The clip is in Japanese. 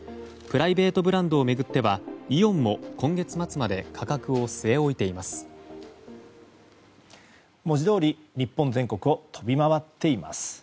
プライベートブランドを巡ってはイオンも今月末まで価格を据え置いています。